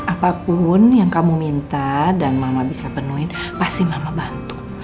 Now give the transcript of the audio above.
apapun yang kamu minta dan mama bisa penuhin pasti mama bantu